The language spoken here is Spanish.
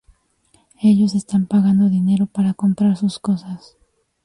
Ellos están pagando dinero para comprar sus cosas.